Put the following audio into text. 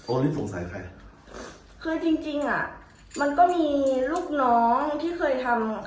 อันนี้สงสัยใครคือจริงจริงอ่ะมันก็มีลูกน้องที่เคยทำ